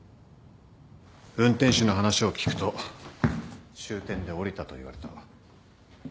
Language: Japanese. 運転手の話を聞くと終点で降りたと言われた。